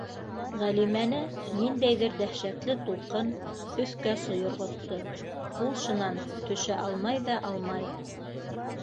Ғәлимәне ниндәйҙер дәһшәтле тулҡын өҫкә сойорғотто ул шунан төшә алмай ҙа алмай.